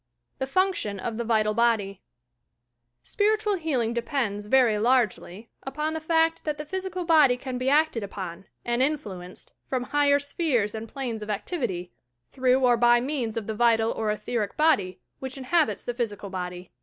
THE FUNCTION OP THE VITAL BODY Spiritual healing depends, very largely, upon the fact that the physical body can be acted upon, and influenced, from higher spheres and planes of activity, through or by means of the vital or etheric body, which inhabits the physical body.